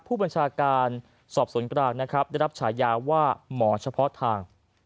ผู้บัญชาการสอบสวนกลางนะครับได้รับฉายาว่าหมอเฉพาะทาง